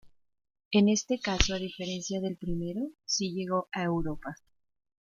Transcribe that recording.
En este caso, a diferencia del primero, sí llegó a Europa.